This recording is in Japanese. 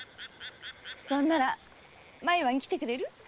それなら毎晩来てくれる？